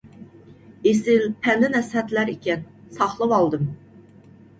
ئېسىل پەند-نەسىھەتلەر ئىكەن، ساقلىۋالدىم.